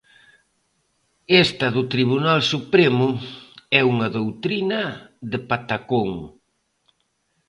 Esta do Tribunal Supremo é unha doutrina de patacón.